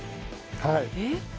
はい。